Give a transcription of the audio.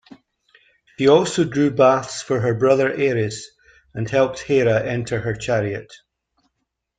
She also drew baths for her brother Ares and helped Hera enter her chariot.